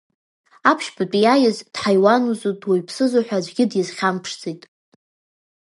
Аԥшьбатәи иааиз дҳаиуанзу дуаҩԥсызу ҳәа аӡәгьы дизхьамԥшӡеит.